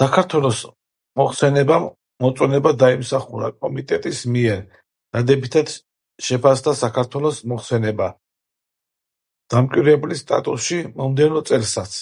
საქართველოს მოხსენებამ მოწონება დაიმსახურა კომიტეტის მიერ; დადებითად შეფასდა საქართველოს მოხსენება დამკვირვებლის სტატუსში მომდევნო წელსაც.